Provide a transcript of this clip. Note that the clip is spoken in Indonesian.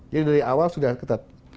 jadi dari awal sudah ketat